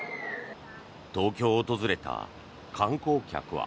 東京を訪れた観光客は。